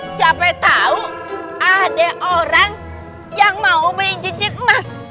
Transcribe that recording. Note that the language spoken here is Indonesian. siapa tahu ada orang yang mau main cincin emas